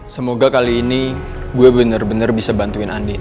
semoga kali ini gue bener bener bisa bantuin andin